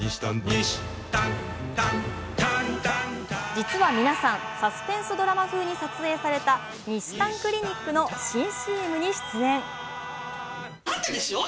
実は皆さん、サスペンスドラマ風に撮影されたにしたんクリニックの新ＣＭに出演。